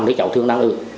đấy cháu thương đang ở